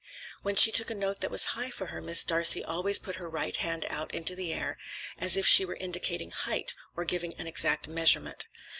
When she took a note that was high for her, Miss Darcey always put her right hand out into the air, as if she were indicating height, or giving an exact measurement.